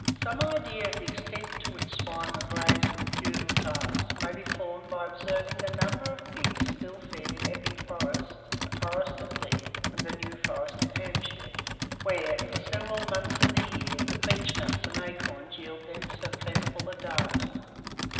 Some idea of the extent to which swine were grazed in the feudal times, may be formed by observing the number of pigs still fed in Epping Forest, the Forest of Dean, and the New Forest, in Hampshire, where, for several months of the year, the beech nuts and acorns yield them so plentiful a diet.